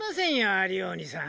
アリオーニさん。